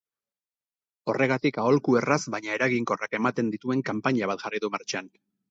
Horregatik aholku erraz baina eraginkorrak ematen dituen kanpaina bat jarri du martxan.